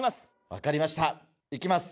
分かりましたいきます